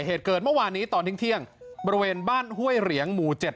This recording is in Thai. เหตุเกิดเมื่อวานตอนอาทิตย์เที่ยงบริเวณบ้านห้วยเหลียงหมูเจ็ด